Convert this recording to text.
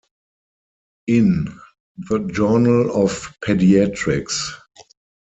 In: "The Journal of Pediatrics.